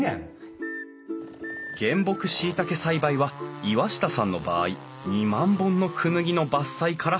原木しいたけ栽培は岩下さんの場合２万本のクヌギの伐採から始まる。